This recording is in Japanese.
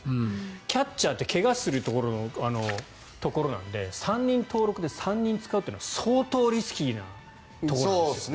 キャッチャーって怪我をするところなので３人登録で３人使うというのは相当リスキーなところなんですね。